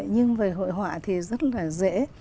nhưng về hội họa thì rất là dễ